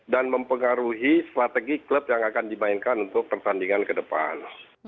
dan mempengaruhi strategi klub yang akan dimainkan untuk pertandingan ke depan